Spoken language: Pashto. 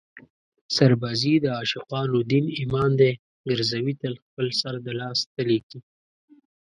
سربازي د عاشقانو دین ایمان دی ګرزوي تل خپل سر د لاس تلي کې